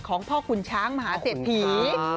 ของพ่อขุนช้างหมหาเสร็จผี